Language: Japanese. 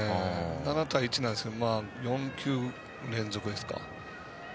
７対１なんですけど４球連続ですか。